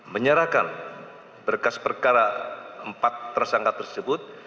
menyerahkan berkas perkara empat tersangka tersebut